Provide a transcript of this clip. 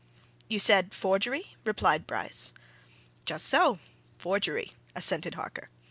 "You said forgery?" replied Bryce. "Just so forgery," assented Harker.